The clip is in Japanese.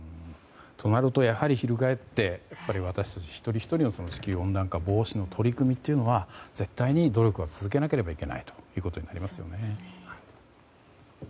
となると、翻って私たち一人ひとりの地球温暖化防止の取り組みというのは絶対に努力は続けなければいけないということになりますよね。